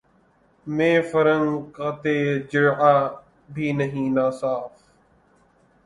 مے فرنگ کا تہ جرعہ بھی نہیں ناصاف